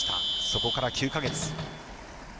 そこから９か月。